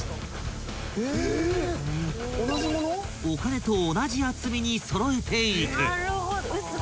［お金と同じ厚みに揃えていく］